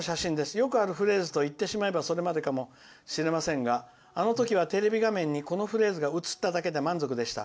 よくあるフレーズと言ってしまえばそれまでかもしれませんがあの時はテレビ画面にこのフレーズが映っただけで満足でした。